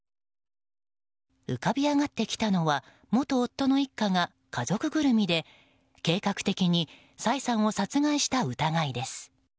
浮かび上がってきたのは元夫の一家が家族ぐるみで計画的にサイさんを殺害した疑いです。